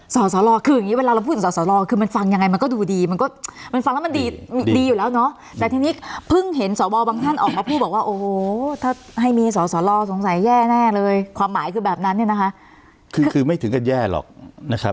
สอสอลอสงสัยแย่แน่เลยความหมายคือแบบนั้นเนี้ยนะคะคือคือไม่ถึงกันแย่หรอกนะครับ